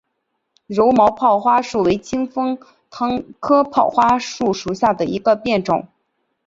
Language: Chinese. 柔毛泡花树为清风藤科泡花树属下的一个变种。